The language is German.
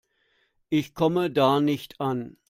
Ich komme da nicht an.